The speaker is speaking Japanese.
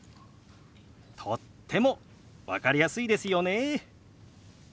とっても分かりやすいですよね。